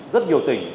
rất nhiều tỉnh